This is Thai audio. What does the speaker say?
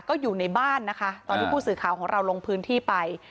ก็อยู่ในบ้านนะคะตอนที่ผู้สื่อข่าวของเราลงพื้นที่ไป